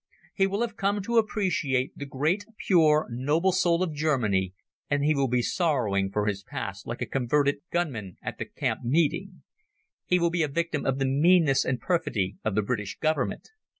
He will have come to appreciate the great, pure, noble soul of Germany, and he will be sorrowing for his past like a converted gun man at a camp meeting. He will be a victim of the meanness and perfidy of the British Government.